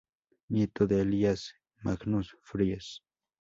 Nieto de Elias Magnus Fries.